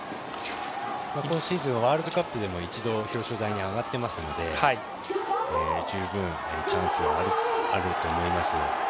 今シーズンワールドカップでも一度、表彰台に上がってますので十分、チャンスはあると思います。